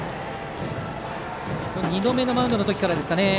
２度目のマウンドの時からですかね